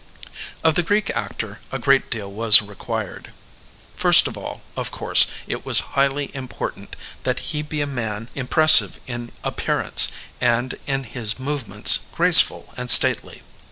Of the Greek actor a great deal was required. First of all, of course, it was highly important that he be a man impressive in appearance and, in his movements, graceful and stately.